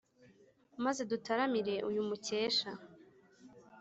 Maze dutaramire uyu mukesha!